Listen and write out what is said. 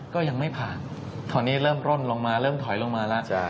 ก็ยังไม่ผ่านตอนนี้เริ่มร่นลงมาเริ่มถอยลงมาแล้ว